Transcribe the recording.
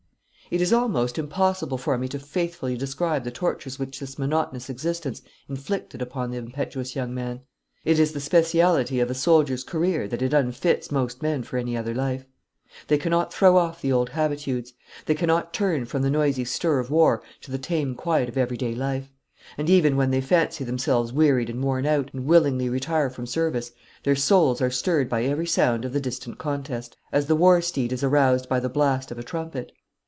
It is almost impossible for me to faithfully describe the tortures which this monotonous existence inflicted upon the impetuous young man. It is the speciality of a soldier's career that it unfits most men for any other life. They cannot throw off the old habitudes. They cannot turn from the noisy stir of war to the tame quiet of every day life; and even when they fancy themselves wearied and worn out, and willingly retire from service, their souls are stirred by every sound of the distant contest, as the war steed is aroused by the blast of a trumpet.